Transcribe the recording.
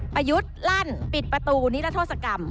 ประยุทธ์ลั่นปิดประตูนิรโทษกรรม